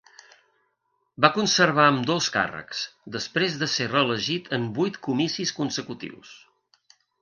Va conservar ambdós càrrecs, després de ser reelegit en vuit comicis consecutius.